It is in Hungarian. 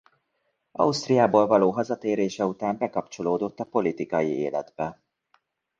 Ausztriából való hazatérése után bekapcsolódott a politikai életbe.